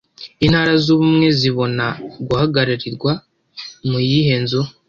Intara z’Ubumwe zibona guhagararirwa mu yihe nzu